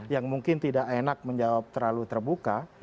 yang mungkin tidak enak menjawab terlalu terbuka